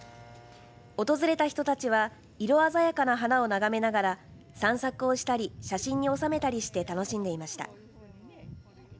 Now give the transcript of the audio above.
訪れた人たちは色鮮やかな花を眺めながら散策をしたり写真に収めたりして楽しんでいました。